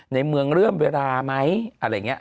ในเมืองเริ่มเวลาไหมอะไรอย่างนี้